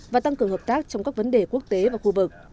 và tăng cường hợp tác trong các vấn đề quốc tế và khu vực